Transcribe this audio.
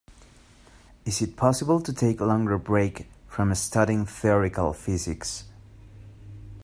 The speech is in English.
Is it possible to take longer break from studying theoretical physics?